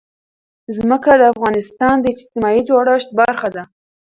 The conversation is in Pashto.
ځمکه د افغانستان د اجتماعي جوړښت برخه ده.